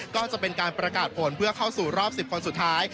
ก็จะเป็นการประกาศผลเพื่อเข้าสู่รอบ๑๐คนสุดท้าย